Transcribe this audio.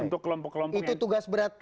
untuk kelompok kelompok yang kecewa